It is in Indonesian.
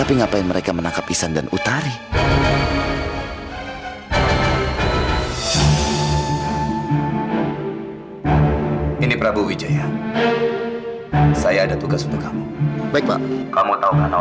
bapak kan kalau di rumah biasanya makan yang mewah mewah kan pat